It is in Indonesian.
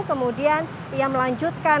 kemudian ia melanjutkan